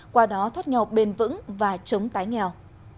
qua đó thoát nghèo bền vững và chống tái nghèo